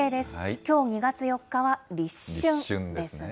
きょう２月４日は立春ですね。